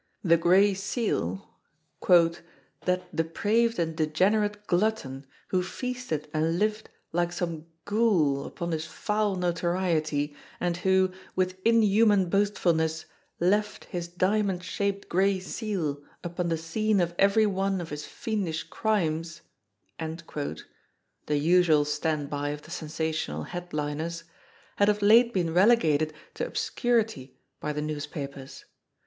The Gray Seal, "that depraved and degenerate glutton who feasted and lived like some ghoul upon his foul notoriety, and who, with inhuman boastfulness, left his diamond shaped gray seal upon the scene of every one of his fiendish crimes," the usual stand by of the sensa tional headliners, had of late been relegated to obscurity by the newspapers.